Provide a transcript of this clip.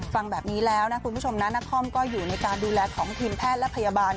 ฟังแบบนี้แล้วนะคุณผู้ชมนะนครก็อยู่ในการดูแลของทีมแพทย์และพยาบาล